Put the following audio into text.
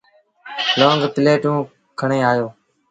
لونگ پليٽون کڻي آيو۔